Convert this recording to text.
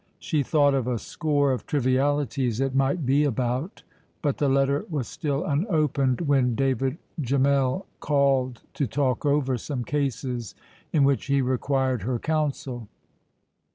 She thought of a score of trivialities it might be about; but the letter was still unopened when David Gemmell called to talk over some cases in which he required her counsel.